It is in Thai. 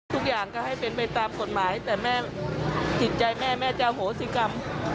ทุกอย่างก็ให้เป็นไปตามกฎหมายแต่แม่จิตใจแม่แม่จะโหสิกรรม